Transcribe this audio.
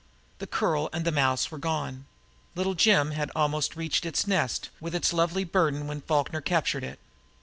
The curl and the mouse were gone! Little Jim had almost reached its nest with its lovely burden when Falkner captured it.